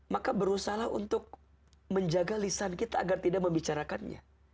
maka berusahalah untuk menjaga lisan kita agar tidak membicarakannya